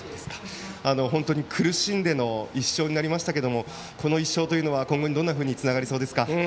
苦しんでの１勝になりましたがこの１勝というのは今後にどうつながりそうですか。